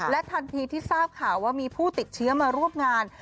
ทันทีที่ทราบข่าวว่ามีผู้ติดเชื้อมาร่วมงาน